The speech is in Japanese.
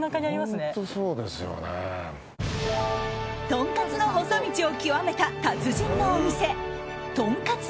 とんかつの細道を極めた達人のお店とんかつ